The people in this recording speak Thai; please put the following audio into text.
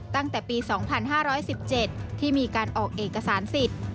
ตั้งแต่ปี๒๕๑๗ที่มีการออกเอกสารสิทธิ์